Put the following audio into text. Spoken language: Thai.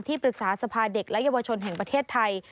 ปรึกษาสภาเด็กและเยาวชนแห่งประเทศไทย